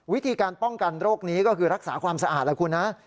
วิธีการป้องกันโรคนี้ก็คือรักษาความสะอาดแล้วคุณนะ